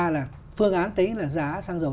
là phương án tính là giá sang dầu